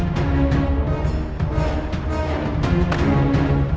biru terus ini ke kapten